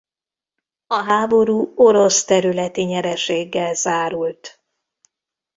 A háború orosz területi nyereséggel zárult.